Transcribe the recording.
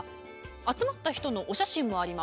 集まった人のお写真もあります。